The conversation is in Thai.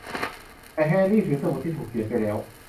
แต่แฮร์รี่ถือสมุดที่ถูกเขียนไปแล้ว